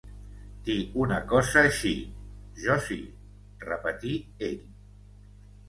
"Dir una cosa així!" "Jo sí", repetí ell.